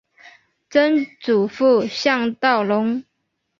曾祖父向道隆。